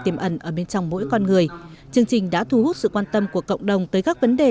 tiềm ẩn ở bên trong mỗi con người chương trình đã thu hút sự quan tâm của cộng đồng tới các vấn đề